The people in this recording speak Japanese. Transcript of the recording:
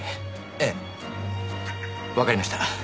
ええ。わかりました。